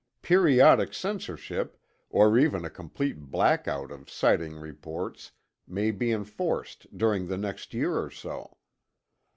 Periodic censorship, or even a complete blackout of sighting reports, may be enforced during the next year or so.